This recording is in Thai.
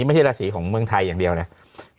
ไม่ใช่ราศีของเมืองไทยอย่างเดียวนะ